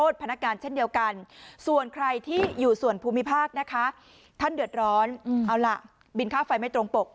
ส่วนใครที่อยู่ส่วนภูมิภาคนะคะท่านเดือดร้อนเอาล่ะบินค่าไฟไม่ตรงปก